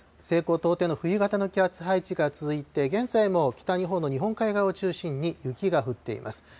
西高東低の冬型の気圧配置が続いて、現在も北日本の日本海側を中心に雪が降っています。